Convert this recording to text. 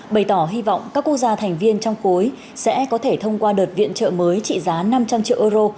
bày tỏ hy vọng các quốc gia thành viên trong khối sẽ có thể thông qua đợt viện trợ mới trị giá năm trăm linh triệu euro